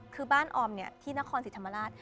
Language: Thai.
คือบ้านออมเนี่ยที่นครสิทธมาราช